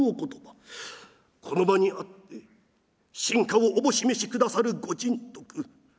この場にあって臣下をおぼし召しくださるご人徳。